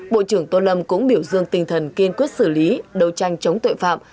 bộ trưởng tô lâm cũng biểu dương tinh thần kiên quyết xử lý đấu tranh chống tội phạm